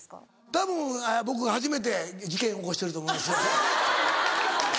たぶん僕初めて事件を起こしてると思います。